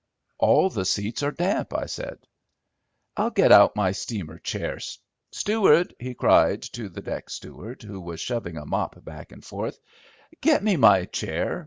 "All the seats are damp," I said. "I'll get out my steamer chair. Steward," he cried to the deck steward who was shoving a mop back and forth, "get me my chair.